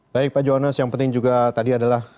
baik pak jonas yang penting juga tadi adalah